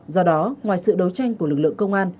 do đó ngoài sự đấu tranh của lực lượng công an